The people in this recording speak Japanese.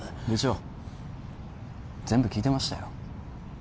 部長全部聞いてましたよ